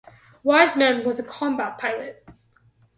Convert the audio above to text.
Weizman was a combat pilot.